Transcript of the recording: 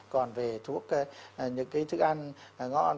còn về thuốc những cái thức ăn ngon